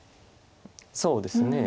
そうですね。